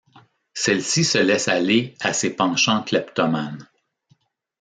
Celle-ci se laisse aller à ses penchants cleptomanes.